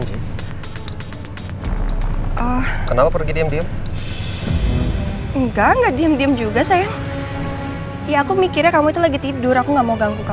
beberapa kesemuanya gue ikut tapi kebetulan tidak rasa fokus